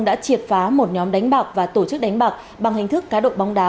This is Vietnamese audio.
đã triệt phá một nhóm đánh bạc và tổ chức đánh bạc bằng hình thức cá độ bóng đá